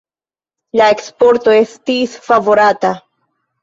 La eksporto estis favorata.